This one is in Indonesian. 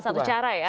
salah satu cara ya